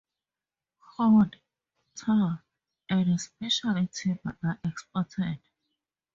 Corn, tar, and especially timber are exported.